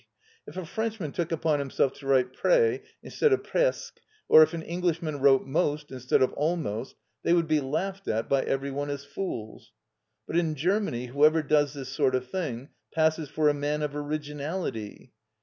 If a Frenchman took upon himself to write "près" instead of "presque," or if an Englishman wrote "most" instead of "almost," they would be laughed at by every one as fools; but in Germany whoever does this sort of thing passes for a man of originality.